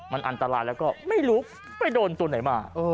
มันอันตรายแล้วก็ไม่รู้ไปโดนตัวไหนมา